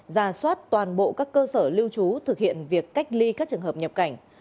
ra soát toàn bộ các cơ sở lưu trú thực hiện việc cách ly các trường hợp nhập cảnh